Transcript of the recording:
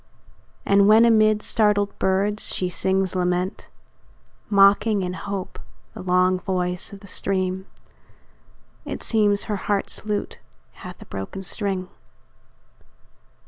And when amid startled birds she sings lament, Mocking in hope the long voice of the stream, It seems her heart's lute hath a broken string.